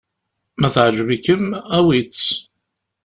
Ma teɛǧeb-ikem, awi-tt.